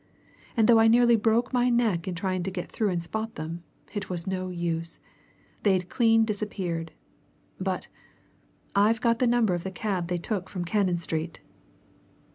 And though I nearly broke my neck in trying to get through and spot them, it was no use. They'd clean disappeared. But! I've got the number of the cab they took from Cannon Street."